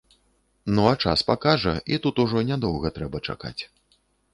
Ну а час пакажа, і тут ўжо нядоўга трэба чакаць.